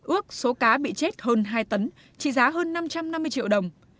ước số cá bị chết hơn hai tấn trị giá hơn năm trăm năm mươi triệu đồng